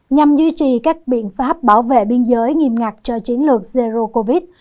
nhằm duy trì các biện pháp bảo vệ biên giới nghiêm ngặt cho chiến lược zero covid